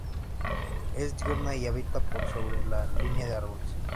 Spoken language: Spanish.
Es diurna y habita por sobre la línea de árboles.